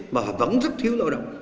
mà vẫn rất thiếu lao động